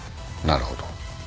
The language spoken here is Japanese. なるほど。